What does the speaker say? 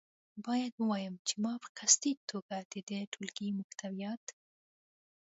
باید ووایم چې ما په قصدي توګه د دې ټولګې محتویات.